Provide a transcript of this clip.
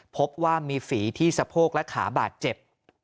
พบว่ามีฝีที่สะโพกและขาบาดเจ็บ